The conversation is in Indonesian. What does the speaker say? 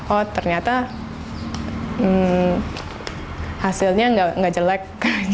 oh ternyata hasilnya nggak jelek